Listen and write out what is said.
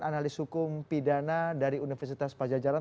analis hukum pidana dari universitas pajajaran